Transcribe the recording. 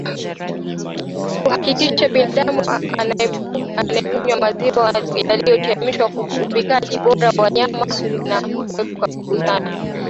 Kuhakikisha binadamu anakunywa maziwa yaliyochemshwa upikaji bora wa nyama na kuepuka kugusana